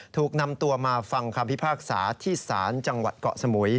ถูกนำตัวมาฟังคำพิพากษาที่ศาลจังหวัดเกาะสมุย